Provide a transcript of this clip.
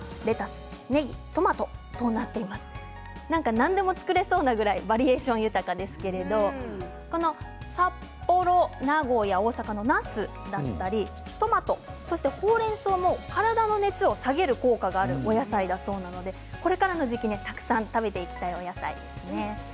なんでも作れそうなぐらいバリエーション豊かですけれど札幌、名古屋、大阪のなすだったりトマトそれから、ほうれんそうも体の熱を下げる効果があるお野菜だそうなのでこれからの時期に、たくさん食べていきたいお野菜ですね。